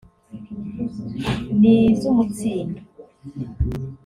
n’iz’Umutsindo